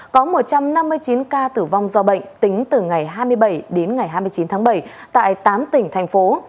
có một trăm năm mươi chín ca tử vong do bệnh tính từ ngày hai mươi bảy đến ngày hai mươi chín tháng bảy tại tám tỉnh thành phố